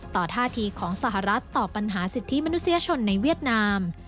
ท่าทีของสหรัฐต่อปัญหาสิทธิมนุษยชนในเวียดนาม